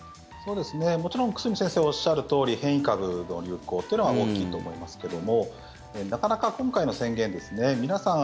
もちろん久住先生がおっしゃるとおり変異株の流行というのは大きいと思いますけどもなかなか今回の宣言、皆さん